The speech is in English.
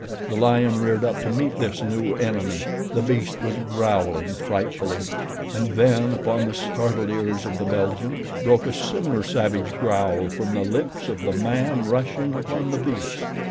The lion reared up to meet this new enemy. The beast was growling frightfully, and then upon the startled ears of the Belgian, broke a similar savage growl from the lips of the man rushing upon the beast.